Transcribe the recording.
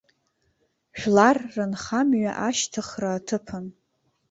Жәлар рынхамҩа ашьҭыхра аҭыԥан.